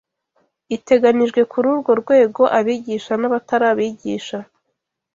iteganijwe kururwo rwego Abigisha n'abatari abigisha